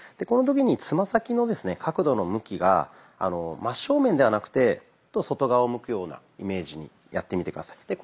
この時につま先の角度の向きが真っ正面ではなくて外側を向くようなイメージでやってみて下さい。